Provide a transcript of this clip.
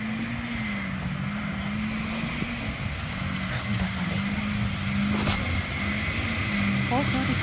加茂田さんですね。